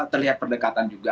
terlihat perdekatan juga